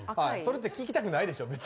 それって聞きたくないでしょ？